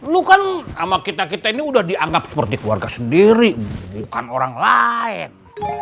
lu kan sama kita kita ini udah dianggap seperti keluarga sendiri bukan orang lain